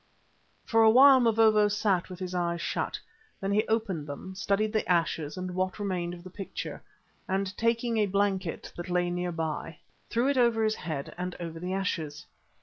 For a while Mavovo sat with his eyes shut. Then he opened them, studied the ashes and what remained of the picture, and taking a blanket that lay near by, threw it over his own head and over the ashes.